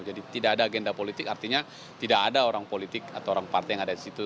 jadi tidak ada agenda politik artinya tidak ada orang politik atau orang partai yang ada di situ